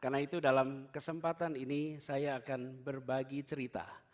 karena itu dalam kesempatan ini saya akan berbagi cerita